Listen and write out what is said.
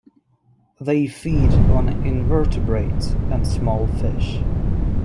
They feed on invertebrates and small fish.